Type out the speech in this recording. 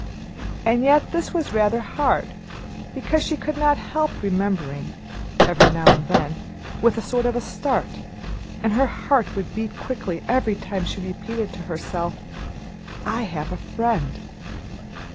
And yet this was rather hard, because she could not help remembering, every now and then, with a sort of start, and her heart would beat quickly every time she repeated to herself, "I have a friend!"